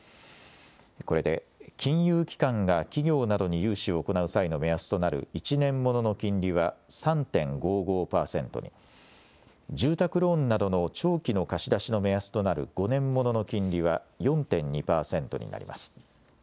これで金融機関が企業などに融資を行う際の目安となる１年ものの金利は３．５５％に、住宅ローンなどの長期の貸し出しの目安となる５年ものの金利は４．２％になります。